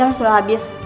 aku rasa udah cukup